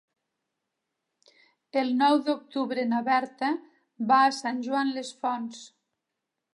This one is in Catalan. El nou d'octubre na Berta va a Sant Joan les Fonts.